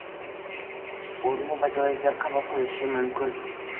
o’rinli va joiz deb qabul qilinishi mumkin